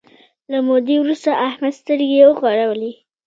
له مودې وروسته احمد سترګې وغړولې.